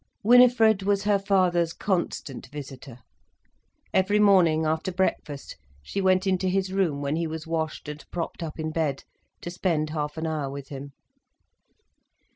Winifred was her father's constant visitor. Every morning, after breakfast, she went into his room when he was washed and propped up in bed, to spend half an hour with him.